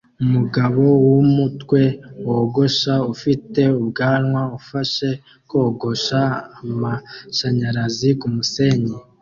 Umugabo wumutwe wogosha ufite ubwanwa ufashe kogosha amashanyarazi kumusenyi